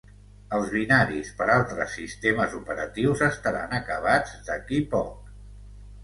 Els binaris per altres sistemes operatius estaran acabats d'aquí poc.